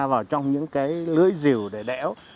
vào trong những cái lưới dìu để đéo